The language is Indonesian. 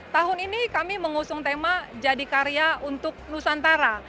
tahun ini kami mengusung tema jadi karya untuk nusantara